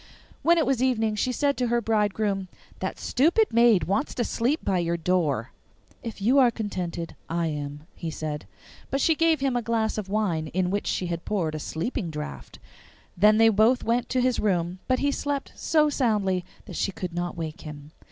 When it was evening she said to her bridegroom, 'That stupid maid wants to sleep by your door.' 'If you are contented, I am,' he said. But she gave him a glass of wine in which she had poured a sleeping draught. Then they both went to his room, but he slept so soundly that she could not wake him.